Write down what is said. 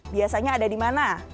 biasanya ada di mana